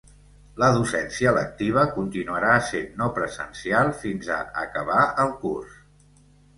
La docència lectiva continuarà essent no presencial fins a acabar el curs.